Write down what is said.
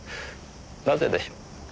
なぜでしょう？